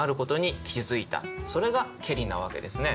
それが「けり」なわけですね。